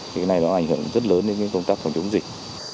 thì cái này nó ảnh hưởng rất lớn đến công tác phòng chống dịch